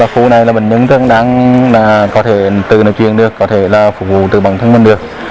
khu này là bệnh nhân có thể tự nội truyền được có thể phục vụ bản thân mình được